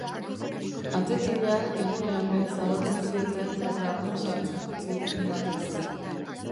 Atetila egunean behin zabaltzen zieten eta arnasa hartzen utzi une batez.